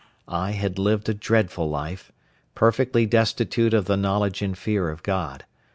I had lived a dreadful life, perfectly destitute of the knowledge and fear of God.